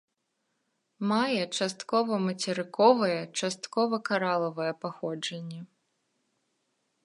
Мае часткова мацерыковае, часткова каралавае паходжанне.